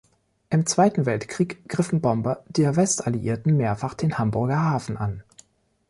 Im Zweiten Weltkrieg griffen Bomber der Westalliierten mehrfach den Hamburger Hafen an.